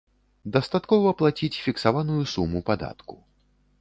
Дастаткова плаціць фіксаваную суму падатку.